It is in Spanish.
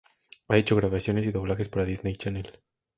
Ha hecho grabaciones y doblajes para Disney Channel.